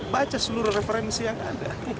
baca seluruh referensi yang ada